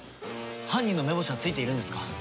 犯人のめぼしはついているんですか？